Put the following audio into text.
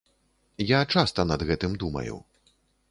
Я часта над гэтым думаю.